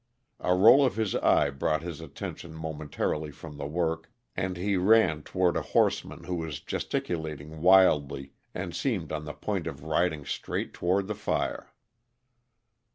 A roll of his eye brought his attention momentarily from the work, and he ran toward a horseman who was gesticulating wildly and seemed on the point of riding straight toward the fire.